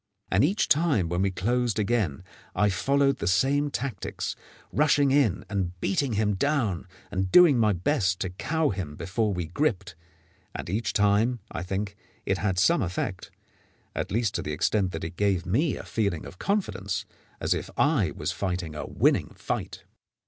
And each time when we closed again I followed the same tactics, rushing in and beating him down and doing my best to cow him before we gripped; and each time, I think, it had some effect at least to the extent that it gave me a feeling of confidence, as if I was fighting a winning fight.